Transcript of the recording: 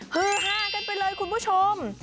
ฮือฮากันไปเลยคุณผู้ชม